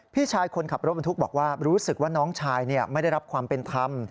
พี่ชายคนขับรถบรรทุกบอกว่ารู้สึกว่าน้องชายไม่ได้รับความเป็นธรรม